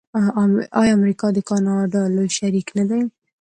آیا امریکا د کاناډا لوی شریک نه دی؟